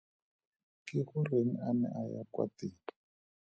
Ke goreng a ne a ya kwa teng?